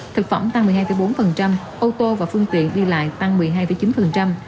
thực phẩm tăng một mươi hai bốn ô tô và phương tiện đi lại tăng một mươi hai chín